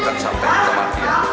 dan sampai kematian